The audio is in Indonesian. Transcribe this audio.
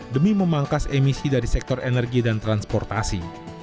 demi memangkas emisi dari sektor energi dan transportasi